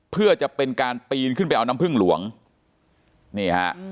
เพื่อจะเป็นการปีนขึ้นไปเอาน้ำพึ่งหลวงนี่ฮะ